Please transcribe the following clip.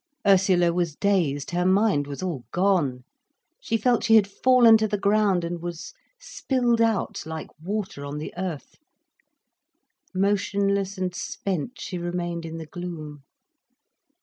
Ursula was dazed, her mind was all gone. She felt she had fallen to the ground and was spilled out, like water on the earth. Motionless and spent she remained in the gloom.